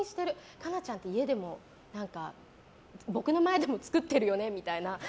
可奈ちゃんって家でも僕の前でも作ってるよねみたいな。